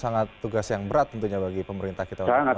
sangat tugas yang berat bagi pemerintah kita